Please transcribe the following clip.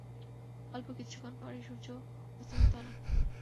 অল্প কিছুক্ষণ পরই সূর্য অস্তমিত হল।